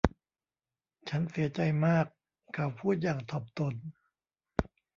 ฉันเสียใจมาก เขาพูดอย่างถ่อมตน